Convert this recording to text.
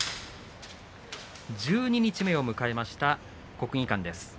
十二日目を迎えました国技館です。